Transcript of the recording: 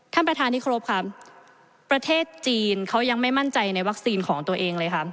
ท่านประธานที่ครบค่ะประเทศจีนเขายังไม่มั่นใจในวัคซีนของตัวเองเลยค่ะ